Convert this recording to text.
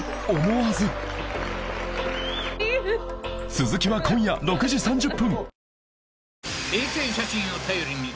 続きは今夜６時３０分